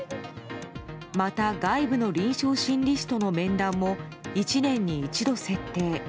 また外部の臨床心理士との面談も１年に一度設定。